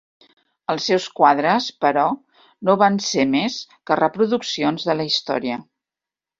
Els seus quadres, però, no van ser més que reproduccions de la història.